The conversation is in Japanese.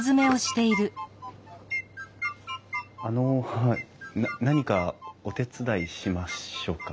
あの何かお手伝いしましょうか？